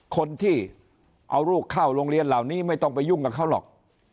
คนที่เอาลูกเข้าโรงเรียนเหล่านี้ไม่ต้องไปยุ่งกับเขาหรอก